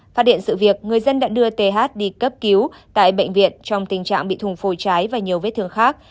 phát hiện sự việc người dân đã đưa th đi cấp cứu tại bệnh viện trong tình trạng bị thùng phồi trái và nhiều vết thương khác